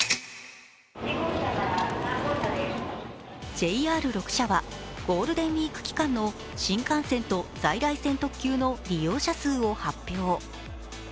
ＪＲ６社はゴールデンウイーク期間の新幹線と在来線特急の利用者数を発表。